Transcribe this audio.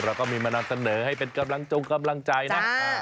เราก็มีมานำเสนอให้เป็นกำลังจงกำลังใจนะ